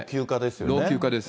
老朽化です。